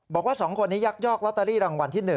บอกว่า๒คนนี้ยักยอกลอตเตอรี่รางวัลที่๑